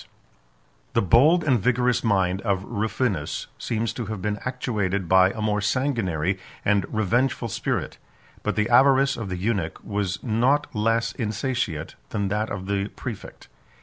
] The bold and vigorous mind of Rufinus seems to have been actuated by a more sanguinary and revengeful spirit; but the avarice of the eunuch was not less insatiate than that of the præfect.